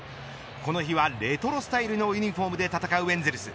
この日はレトロスタイルのユニホームで戦うエンゼルス。